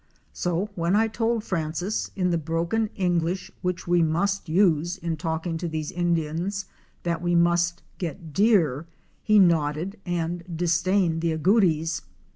So when I told Francis, in the broken English which we must use in talking to these Indians, that we must get deer, he nodded and disdained the agoutis.